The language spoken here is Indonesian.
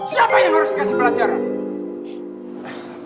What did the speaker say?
siapa yang harus dikasih pelajaran